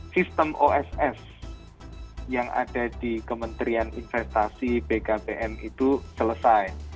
sistem oss yang ada di kementerian investasi bkpm itu selesai